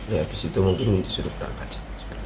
ya habis itu mungkin disuruh berangkat